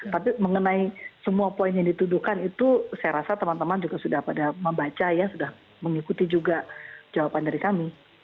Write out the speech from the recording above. tapi mengenai semua poin yang dituduhkan itu saya rasa teman teman juga sudah pada membaca ya sudah mengikuti juga jawaban dari kami